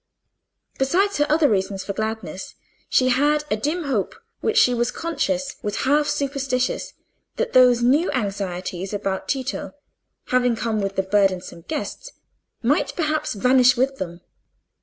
Besides her other reasons for gladness, she had a dim hope, which she was conscious was half superstitious, that those new anxieties about Tito, having come with the burdensome guests, might perhaps vanish with them.